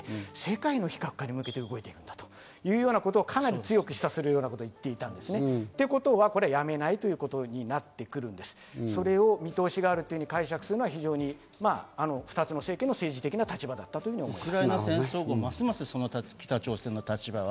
つまり不拡散条約に戻るのではなくて、世界の非核化に向けて動いているんだというようなことを、かなり強く示唆するようなことを言っていたんですね。ということは、これはやめないということになってくるんで、それを見通しがあると解釈するのは非常に２つの政権の政治的な立場だったと僕は思います。